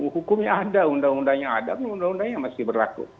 hukumnya ada undang undangnya ada undang undangnya masih berlaku